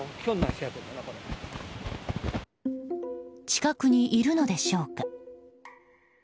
近くにいるのでしょうか。